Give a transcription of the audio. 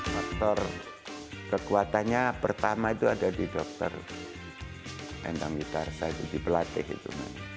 faktor kekuatannya pertama itu ada di dokter endang witarsa jadi pelatih itu